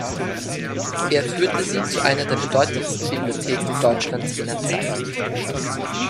Er führte sie zu einer der bedeutendsten Bibliotheken Deutschlands jener Zeit.